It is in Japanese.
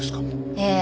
ええ。